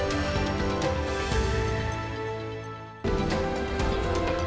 perdagangan dan pendidikan relaksanasi